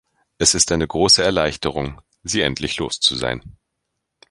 Es ist eine große Erleichterung, sie endlich los zu sein.